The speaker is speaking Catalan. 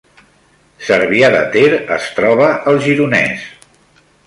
Cervià de Ter es troba al Gironès